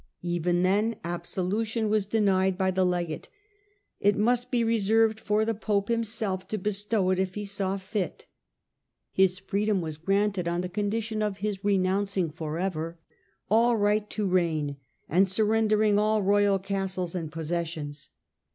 Even then absolution was denied by the legate ; it must be reserved for the pope himself to bestow if he saw fit. His fireedom was granted on condition of his renouncing for ever all right to reign, and surrendering all royal castles and possessions.